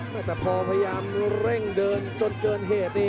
โอ้โหไม่พลาดกับธนาคมโด้แดงเขาสร้างแบบนี้